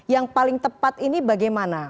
yang paling tepat ini bagaimana